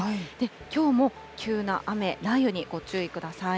きょうも急な雨、雷雨にご注意ください。